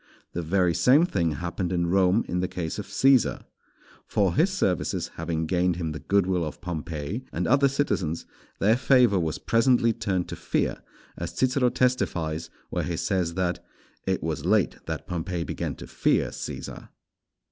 The very same thing happened in Rome in the case of Cæsar. For his services having gained him the good will of Pompey and other citizens, their favour was presently turned to fear, as Cicero testifies where he says that "it was late that Pompey began to fear Cæsar."